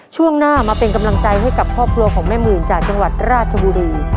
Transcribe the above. ช่วงหน้ามาเป็นกำลังใจให้กับครอบครัวของแม่หมื่นจากจังหวัดราชบุรี